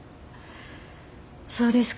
そうですか。